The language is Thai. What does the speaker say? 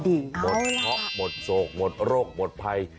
หมดเพราะหมดโศกหมดโรคหมดภัย